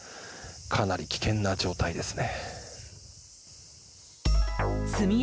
かなり危険な状態ですね。